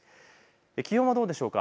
気温はどうでしょうか。